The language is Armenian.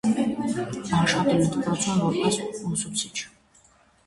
Աշխատել է դպրոցում որպես ուսուցիչ։